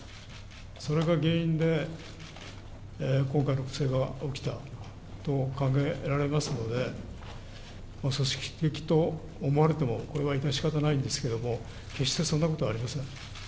それが原因で今回の不正が起きたと考えられますので、組織的と思われても、これは致し方ないんですけども、決してそんなことはありません。